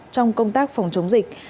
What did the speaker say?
trong công tác phòng chống dịch